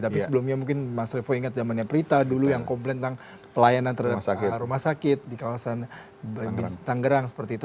tapi sebelumnya mungkin mas revo ingat zamannya prita dulu yang komplain tentang pelayanan terhadap rumah sakit di kawasan tanggerang seperti itu